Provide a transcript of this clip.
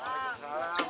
eh assalamualaikum cing